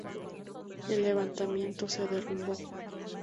El levantamiento se derrumbó.